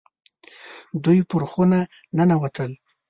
دوی پر خونه ننوتل.